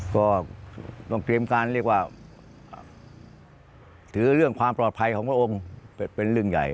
ก็ต้องเตรียมการเรียกว่าถือเรื่องความปลอดภัยของพระองค์เป็นเรื่องใหญ่